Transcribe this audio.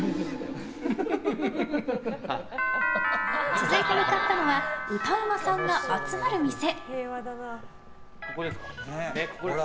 続いて向かったのは歌うまさんが集まる店。